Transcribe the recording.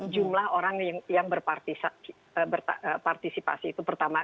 jumlah orang yang berpartisipasi itu pertama